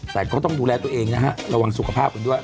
แต่ก็ต้องดูแลตัวเองนะฮะระวังสุขภาพกันด้วย